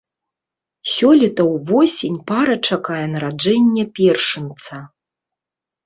Сёлета ўвосень пара чакае нараджэння першынца.